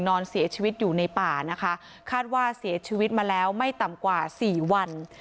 นอนเสียชีวิตอยู่ในป่านะคะคาดว่าเสียชีวิตมาแล้วไม่ต่ำกว่าสี่วัน